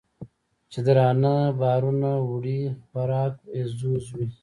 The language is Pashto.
چې درانه بارونه وړي خوراک یې ځوځ وي